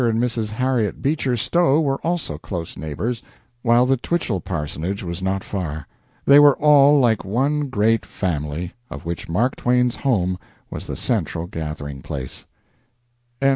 and Mrs. Harriet Beecher Stowe were also close neighbors, while the Twichell parsonage was not far. They were all like one great family, of which Mark Twain's home was the central gathering place. XXXVII.